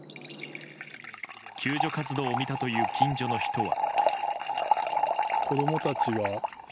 救助活動を見たという近所の人は。